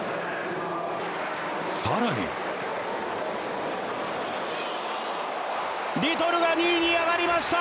更にリトルが２位に上がりました。